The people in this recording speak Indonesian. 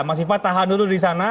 mas iva tahan dulu di sana